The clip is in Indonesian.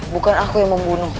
bukan aku yang membunuh